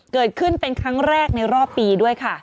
เกิดขึ้นเป็นครั้งแรกในรอบปีด้วยค่ะ